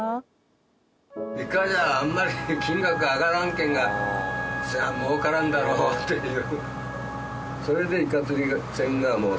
イカじゃああんまり金額が上がらんけんがそりゃ儲からんだろうっていう。